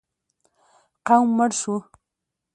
قوم مړ شو.